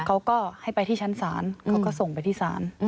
เขาก็ให้ไปที่ชั้นศาลเขาก็ส่งไปที่ศาล